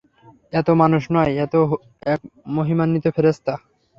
এতো মানুষ নয় এতো এক মহিমান্বিত ফেরেশতা।